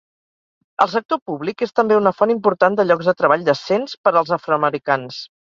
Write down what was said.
El sector públic és també una font important de llocs de treball decents per als afroamericans.